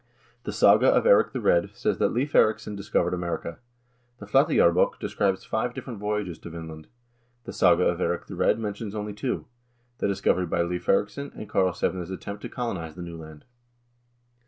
The "Saga of Eirik the Red" says that Leiv Eiriksson discovered America. The "Flateyjarbok" describes five different voyages to Vinland. The "Saga of Eirik the Red" mentions only two ; the discovery by Leiv Eiriksson, and Karlsevne's attempt to colonize the new land.